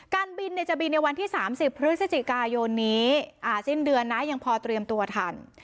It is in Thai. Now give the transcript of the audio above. การบินจะบินในวันที่๓๐พฤศจิกายนนี้สิ้นเดือนนะยังพอเตรียมตัวทัน